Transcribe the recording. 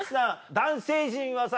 男性陣はさ